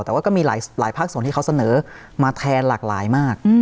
แต่ว่าก็มีหลายภาคส่วนที่เขาเสนอมาแทนหลากหลายมาก